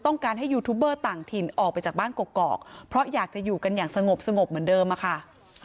ต้องการให้ยูทูบเบอร์ต่างถิ่นออกไปจากบ้านกอกเพราะอยากจะอยู่กันอย่างสงบสงบเหมือนเดิมอะค่ะ